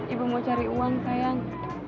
ibu mau cari uang sayang